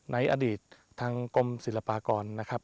ในอดีตทางกรมศิลปากรนะครับ